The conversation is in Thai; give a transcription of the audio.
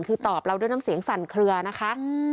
คือตอบเราด้วยน้ำเสียงสั่นเคลือนะคะ